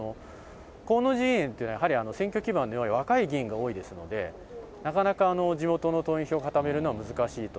河野陣営っていうのは、やはり選挙基盤では若い議員が多いですので、なかなか地元の党員票を固めるのは難しいと。